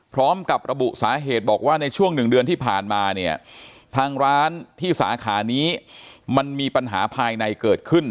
พร้อมกับระบุสาเหตุบอกว่าในช่วงหนึ่งเดือนที่ผ่านมาเนี่ยทางร้านที่สาขานี้มันมีปัญหาภายในเกิดขึ้น